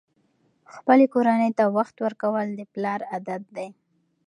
خپلې کورنۍ ته وخت ورکول د پلار عادت دی.